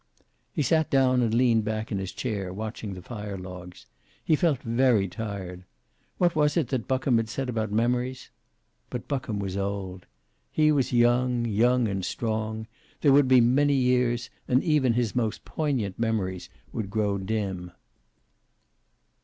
He sat down and leaned back in his chair, watching the fire logs. He felt very tired. What was that Buckham had said about memories? But Buckham was old. He was young, young and strong. There would be many years, and even his most poignant memories would grow dim.